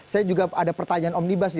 saya juga ada pertanyaan omnibus nih